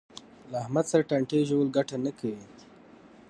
له احمد سره ټانټې ژول ګټه نه کوي.